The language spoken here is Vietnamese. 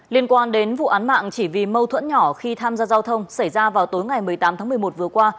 liên quan đến vụ án mạng chỉ vì mâu thuẫn nhỏ khi tham gia giao thông xảy ra vào tối ngày một mươi tám tháng một mươi một vừa qua